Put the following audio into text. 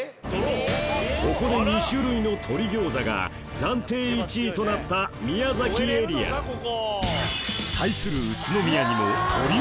ここで２種類の鶏餃子が暫定１位となった宮崎エリア対する宇都宮にも鶏を使った餃子が